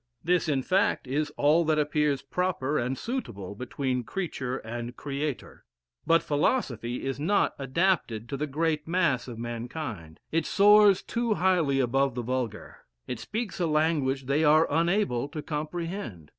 This, in fact, is all that appears proper and suitable between creature and Creator. But philosophy is not adapted to the great mass of mankind; it soars too highly above the vulgar; it speaks a language they are unable to comprehend.